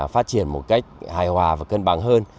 phát triển một cách hài hòa và cân bằng hơn